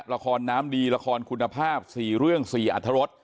ละครน้ำดีละครคุณภาพ๔เรื่อง๔อัธรส